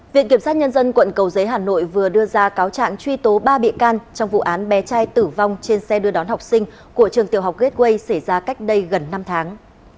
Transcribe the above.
viện kiểm sát nhân dân quận cầu giấy hà nội vừa đưa ra cáo trạng truy tố ba bị can trong vụ án bé trai tử vong trên xe đưa đón học sinh của trường tiểu học gateway xảy ra cách đây gần năm tháng